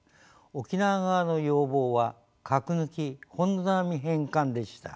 沖縄側の要望は「核抜き本土並み返還」でした。